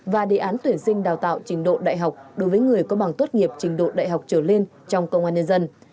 và đề án tuyển sinh đào tạo trình độ đại học đối với người có bằng tốt nghiệp trình độ đại học trở lên trong công an nhân dân